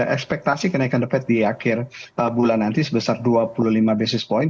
ekspektasi kenaikan the fed di akhir bulan nanti sebesar dua puluh lima basis point